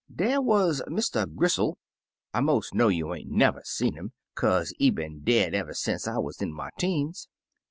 Der wuz Mr. Gristle, — I most know you ain't never see 'im, kaze he been dead eve'y sence I wuz in my teens.